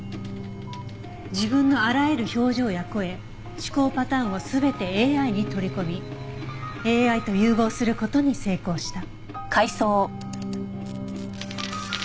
自分のあらゆる表情や声思考パターンを全てＡＩに取り込みＡＩと融合する事に成功した。